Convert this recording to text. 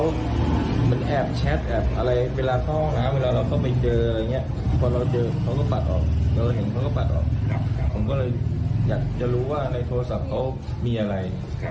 ก็เลยอยากจะรู้ว่าในโทรศัพท์เขามีอะไร